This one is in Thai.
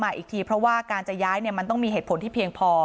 อีกทีเพราะว่าการจะย้ายมันต้องมีเหตุผลที่เพียงพอ